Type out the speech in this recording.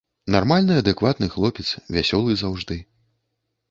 Нармальны адэкватны хлопец, вясёлы заўжды.